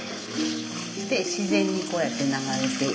そして自然にこうやって流れている間に。